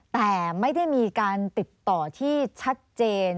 แต่ไม่ได้มีการติดต่อที่ชัดเจน